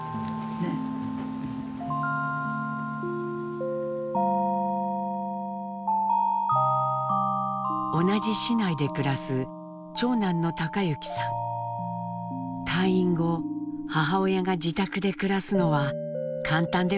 退院後母親が自宅で暮らすのは簡単ではないと感じていました。